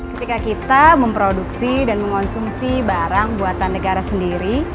ketika kita memproduksi dan mengonsumsi barang buatan negara sendiri